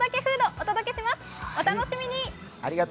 お楽しみに！